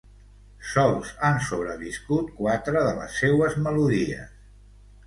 Sols han sobreviscut quatre de les seues melodies.